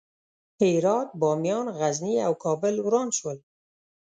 هرات، بامیان، غزني او کابل وران شول.